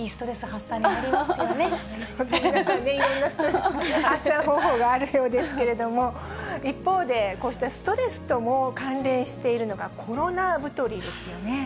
皆さんね、いろんなストレス発散方法があるようですけれども、一方で、こうしたストレスとも関連しているのが、コロナ太りですよね。